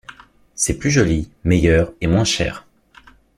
C’est plus joli, meilleur, et moins cher.